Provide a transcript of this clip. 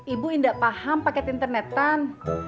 ibu indah paham paket internetan